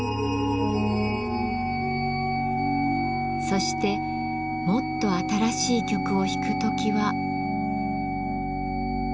そしてもっと新しい曲を弾く時は。